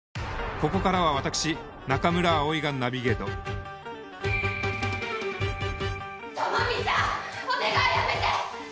ここからは私中村蒼がナビゲート朋美ちゃんお願いやめて！